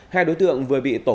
hai đối tượng vừa bị tổ công tắc